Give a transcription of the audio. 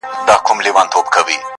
زه چي قدم پر قدم ږدم تا یادومه!